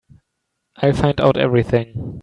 I'll find out everything.